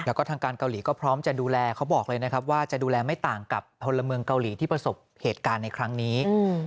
แล้วก็ทางการเกาหลีก็พร้อมจะดูแลเขาบอกเลยนะครับว่าจะดูแลไม่ต่างกับพลเมืองเกาหลีที่ประสบเหตุการณ์ในครั้งนี้